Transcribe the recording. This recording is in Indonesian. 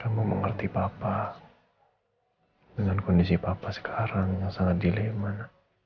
kamu mengerti papa dengan kondisi papa sekarang yang sangat dilemana